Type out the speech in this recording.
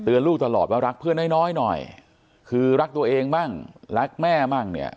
ลูกตลอดว่ารักเพื่อนน้อยน้อยหน่อยคือรักตัวเองบ้างรักแม่มั่งเนี่ย